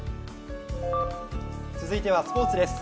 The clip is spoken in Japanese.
続いてはスポーツです。